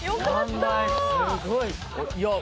すごい。